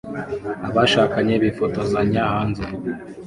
Abashakanye bifotozanya hanze